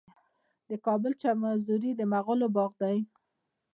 د کابل چمن حضوري د مغلو باغ دی